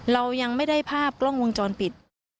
เรายังไม่ได้ภาพกล้องวงจรปิด